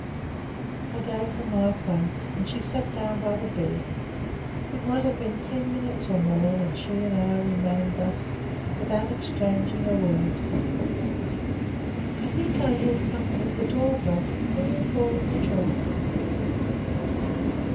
I gave her my place, and she sat down by the bed. It might have been ten minutes or more that she and I remained thus, without exchanging a word. "I think I hear some one at the door. Brother, will you call in the children?"